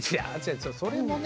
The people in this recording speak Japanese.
それもね。